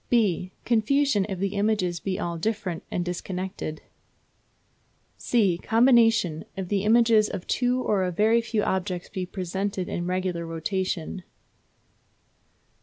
(b) Confusion, if the images be all different and disconnected. (c) Combination, if the images of two or a very few objects be presented in regular rotation.